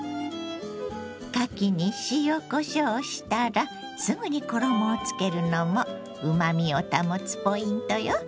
かきに塩こしょうしたらすぐに衣をつけるのもうまみを保つポイントよ。